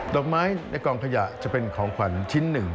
อกไม้ในกองขยะจะเป็นของขวัญชิ้นหนึ่ง